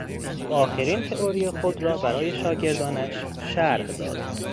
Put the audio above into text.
او آخرین تئوری خود را برای شاگردانش شرح داد.